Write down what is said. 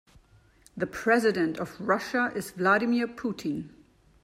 The president of Russia is Vladimir Putin.